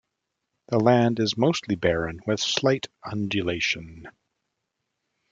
The land is mostly barren with slight undulation.